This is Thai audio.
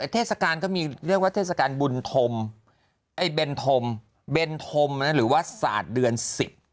เทศกาลก็มีเรียกว่าเทศกาลบุญธมไอ้เบนธมเบนธมหรือว่าศาสตร์เดือนสิบ